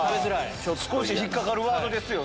少し引っ掛かるワードですよね。